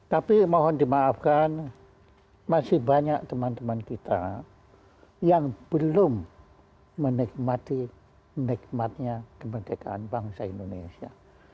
tapi mohon dimaafkan masih banyak teman teman kita yang belum menikmati nikmatnya kemerdekaan bangsa indonesia